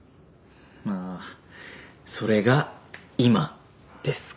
ああそれが今ですか？